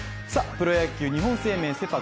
プロ野球日本生命セ・パ